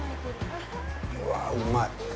うわぁ、うまい！